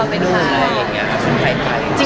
หรืออะไรอย่างนี้